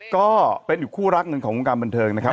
ก็เป็นอีกคู่รักหนึ่งของวงการบันเทิงนะครับ